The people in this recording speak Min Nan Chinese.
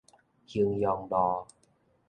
衡陽路